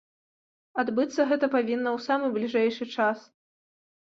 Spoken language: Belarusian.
Адбыцца гэта павінна ў самы бліжэйшы час.